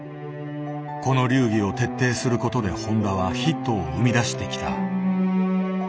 この流儀を徹底することで誉田はヒットを生み出してきた。